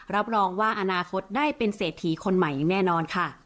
รับรองว่าอนาคตได้เป็นเศรษฐีคนใหม่อย่างแน่นอนค่ะ